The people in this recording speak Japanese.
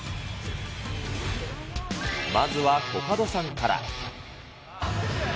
まずはコカドさんから。